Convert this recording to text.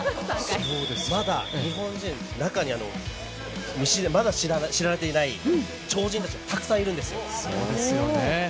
まだ日本人、中にはまだ知られていない超人たちが、たくさんいるんですよ。